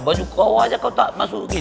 baju kau aja kau tak masukin